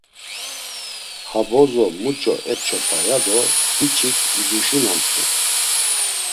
Ha bozo muç̌o ep̌ç̌opa ya do biç̌ik iduşunamt̆u.